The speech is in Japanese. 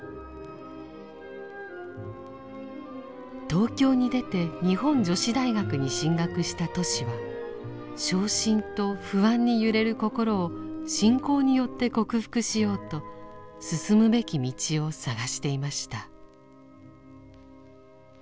東京に出て日本女子大学に進学したトシは傷心と不安に揺れる心を信仰によって克服しようと進むべき道を探していました。